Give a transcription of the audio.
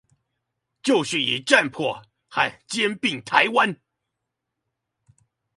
就是以戰迫和，兼併台灣